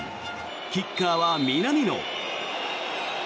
キッカーは南野。